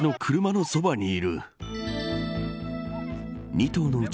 ２頭のうち